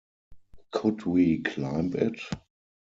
Could we climb it?